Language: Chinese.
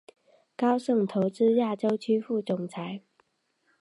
高盛投资亚洲区副总裁。